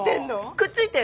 くっついてる。